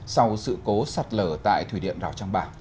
sau sự cố sạt lở tại thủy điện rào trang ba